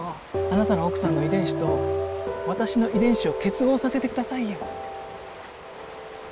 あなたの奥さんの遺伝子と私の遺伝子を結合させてくださいよ。